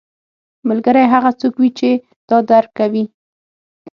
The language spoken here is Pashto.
ملګری هغه څوک وي چې تا درک کوي